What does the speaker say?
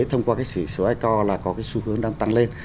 thông qua cái chỉ số ico là có cái xu hướng đang tăng lên